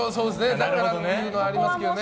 だからっていうのありますけどね。